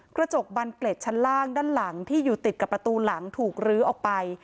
กระจกบันเกล็ดชั้นล่างด้านหลังที่อยู่ติดกับประตูหลังถูกลื้อออกไป